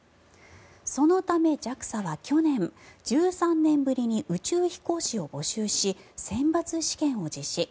そのためＪＡＸＡは去年１３年ぶりに宇宙飛行士を募集し選抜試験を実施。